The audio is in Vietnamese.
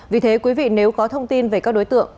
vì thế quý vị nếu có thông tin về các đối tượng